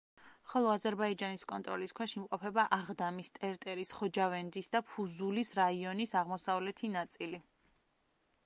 ხოლო აზერბაიჯანის კონტროლის ქვეშ იმყოფება აღდამის, ტერტერის, ხოჯავენდის და ფუზულის რაიონის აღმოსავლეთი ნაწილი.